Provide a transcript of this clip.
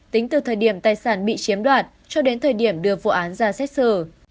tính từ thời điểm tài sản bị chiếm đoạt cho đến thời điểm đưa vụ án ra xét xử